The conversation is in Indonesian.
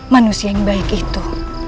manusia yang baik itu